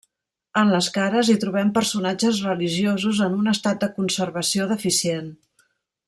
En les cares hi trobem personatges religiosos en un estat de conservació deficient.